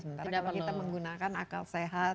sementara kalau kita menggunakan akal sehat